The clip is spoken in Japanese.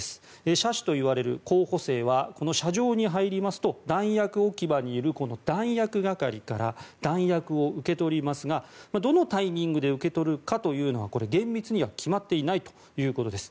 射手といわれる候補生はこの射場に入りますと弾薬置き場にいる弾薬係から弾薬を受け取りますがどのタイミングで受け取るかというのは厳密には決まっていないということです。